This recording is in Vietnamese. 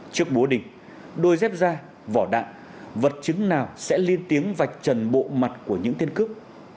trước bố định đôi dép da vỏ đạn vật chứng nào sẽ liên tiếng vạch trần bộ mặt của những tên cướp